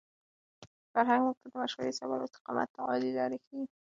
فرهنګ موږ ته د مشورې، صبر او استقامت عالي لارې راښيي.